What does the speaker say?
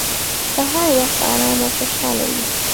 سهار وخت ارام او خوشحاله وي.